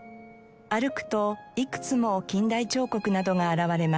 歩くといくつも近代彫刻などが現れます。